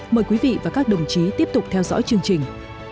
mời quý vị và các đồng chí tiếp tục theo dõi chương trình